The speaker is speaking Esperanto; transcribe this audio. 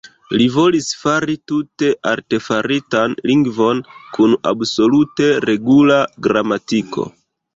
Li volis fari tute artefaritan lingvon kun absolute regula gramatiko.